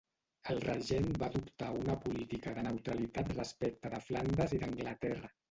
El regent va adoptar una política de neutralitat respecte de Flandes i d'Anglaterra.